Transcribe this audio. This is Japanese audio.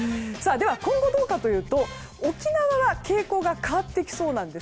今後どうかというと沖縄は傾向が変わってきそうです。